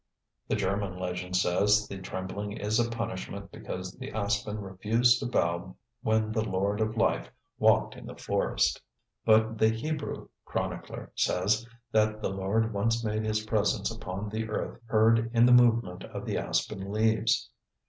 The German legend says the trembling is a punishment because the aspen refused to bow when the Lord of Life walked in the forest. But the Hebrew chronicler says that the Lord once made his presence upon the earth heard in the movement of the aspen leaves.